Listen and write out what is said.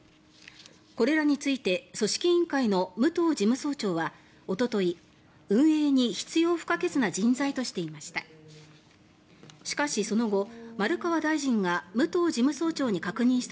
これらについて組織委員会の武藤事務総長はおととい運営に必要不可欠な人材としていました。